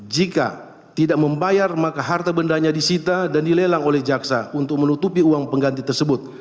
jika tidak membayar maka harta bendanya disita dan dilelang oleh jaksa untuk menutupi uang pengganti tersebut